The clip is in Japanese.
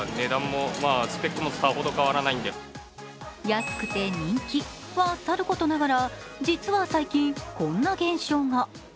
安くて人気はさることながら実は最近こんな現象が。